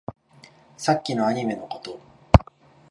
さっきのアニメのこと